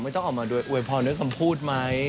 ไม่ต้องออกมาด้วยอวยพรเนื้อกำพูดไหม